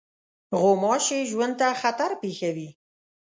غوماشې ژوند ته خطر پېښوي.